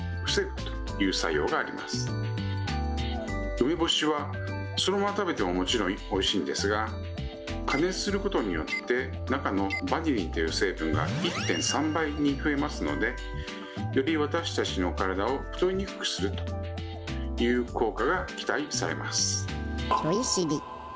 梅干しはそのまま食べてももちろんおいしいんですが、加熱することによって中のバニリンという成分が１．３倍に増えますので、より私たちの体を太りにくくするという効果が期待されます。